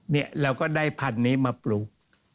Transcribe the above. เนี่ยเราก็ได้พันธุ์นี้มาปลูก